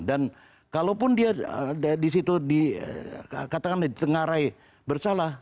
dan kalaupun dia disitu dikatakan ditengarai bersalah